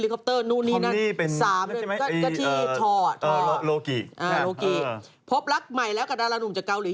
พบรักใหม่แล้วกับดาราหนุ่มจากเกาหลี